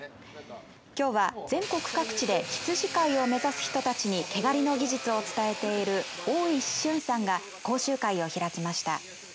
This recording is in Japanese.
きょうは全国各地で羊飼いを目指す人たちに毛刈りの技術を伝えている大石隼さんが講習会を開きました。